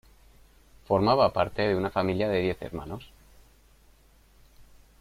Formaba parte de una familia de diez hermanos.